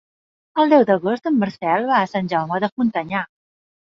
El deu d'agost en Marcel va a Sant Jaume de Frontanyà.